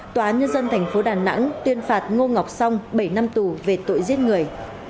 tòa nhân dân thành phố đà nẵng tuyên phạt ngô ngọc song bảy năm tù về tội giết người